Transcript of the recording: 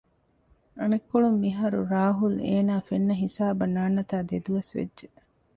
އަނެއްކޮޅުން މިހާރު ރާހުލް އޭނާ ފެންނަ ހިސާބަށް ނާންނަތާ ދެދުވަސް ވެއްޖެ